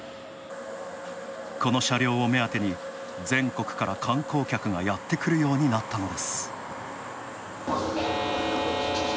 この車両を目当てに全国から観光客がやってくるようになったのです。